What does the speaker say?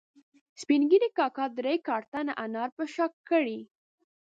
سپین ږیري کاکا درې کارتنه انار په شا کړي